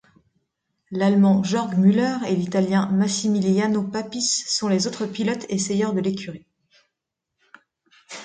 L'Allemand Jörg Müller et l'Italien Massimiliano Papis sont les autres pilotes essayeurs de l'écurie.